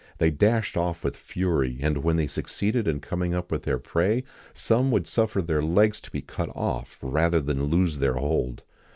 They dashed off with fury, and when they succeeded in coming up with their prey, some would suffer their legs to be cut off rather than loose their hold.